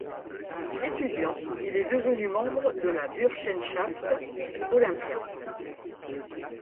Étudiant, il est devenu membre de la Burschenschaft Olympia.